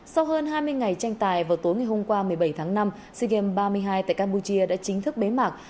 sau hơn hai mươi ngày tranh tài vào tối ngày hôm qua một mươi bảy tháng năm sea games ba mươi hai tại campuchia đã chính thức bế mạc